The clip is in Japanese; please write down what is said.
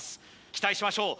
期待しましょう